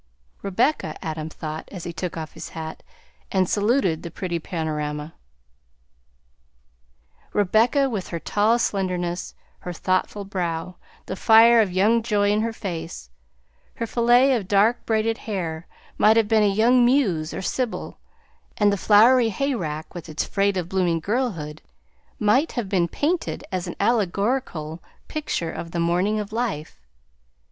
Rebecca, Adam thought, as he took off his hat and saluted the pretty panorama, Rebecca, with her tall slenderness, her thoughtful brow, the fire of young joy in her face, her fillet of dark braided hair, might have been a young Muse or Sibyl; and the flowery hayrack, with its freight of blooming girlhood, might have been painted as an allegorical picture of The Morning of Life.